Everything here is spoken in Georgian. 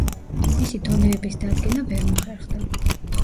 მისი დონეების დადგენა ვერ მოხერხდა.